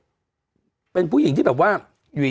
พี่โอ๊คบอกว่าเขินถ้าต้องเป็นเจ้าภาพเนี่ยไม่ไปร่วมงานคนอื่นอะได้